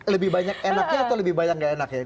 lebih banyak enaknya atau lebih banyak gak enak ya